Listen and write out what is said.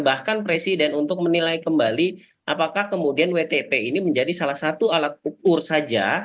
bahkan presiden untuk menilai kembali apakah kemudian wtp ini menjadi salah satu alat ukur saja